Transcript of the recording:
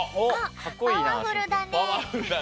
パワフルだね。